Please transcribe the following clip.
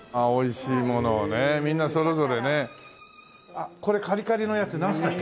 あっこれカリカリのやつなんつったっけ？